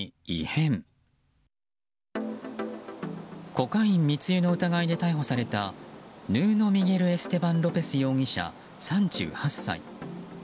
コカイン密輸の疑いで逮捕されたヌーノ・ミゲル・エステバン・ロペス容疑者、３８歳。